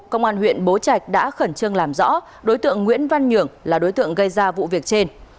công an huyện bố trạch đã khẩn trương làm rõ đối tượng nguyễn văn nhường là đối tượng gây ra vụ việc trên